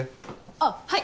あっはい！